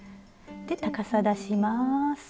で高さ出します。